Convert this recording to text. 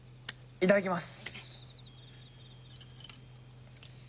いただきます。